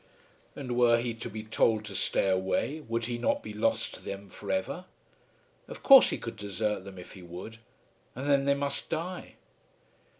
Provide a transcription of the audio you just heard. And were he to be told to stay away, would he not be lost to them for ever? Of course he could desert them if he would, and then they must die.